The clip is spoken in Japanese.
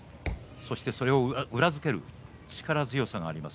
それを裏付ける力強さがあります